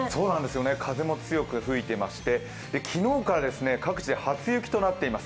風も強く吹いていまして昨日から各地で初雪となっています。